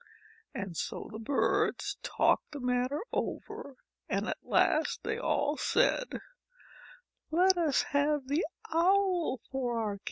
And so the birds talked the matter over and at last they all said, "Let us have the Owl for our king."